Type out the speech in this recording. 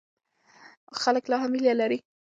خلک لا هم هیله لري.